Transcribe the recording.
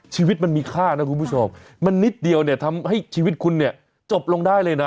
ชีวิตมันมีค่านะคุณผู้ชมมันนิดเดียวเนี่ยทำให้ชีวิตคุณเนี่ยจบลงได้เลยนะ